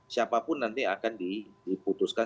siapapun nanti akan diputuskan